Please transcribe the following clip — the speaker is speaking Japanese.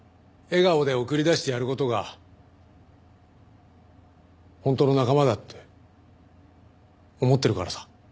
笑顔で送り出してやる事が本当の仲間だって思ってるからさ。